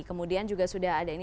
kemudian juga sudah ada ini